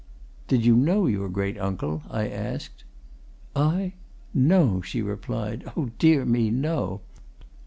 "Did you know your great uncle?" I asked. "I? No!" she replied. "Oh, dear me, no!